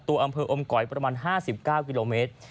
อำเภออมก๋อยประมาณ๕๙กิโลเมตร